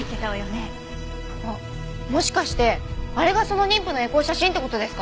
あっもしかしてあれがその妊婦のエコー写真って事ですか？